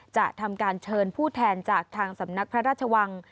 จะทำการเชิญผู้แทนจากทางสำนักพระราชวัง